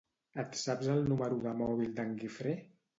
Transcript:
Et saps el número de mòbil d'en Guifré?